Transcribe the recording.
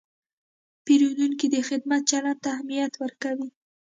پیرودونکی د خدمت چلند ته اهمیت ورکوي.